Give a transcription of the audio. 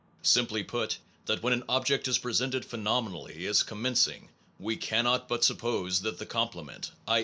Simply this, that when an object is presented phenomenally as commencing, we cannot but suppose that the com plement (i.